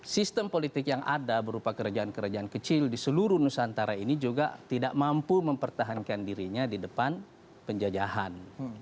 sistem politik yang ada berupa kerajaan kerajaan kecil di seluruh nusantara ini juga tidak mampu mempertahankan dirinya di depan penjajahan